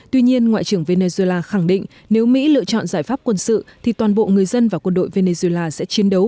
tuy nhiên ngoại trưởng venezuela khẳng định nếu mỹ lựa chọn giải pháp quân sự thì toàn bộ người dân và quân đội venezuela sẽ chiến đấu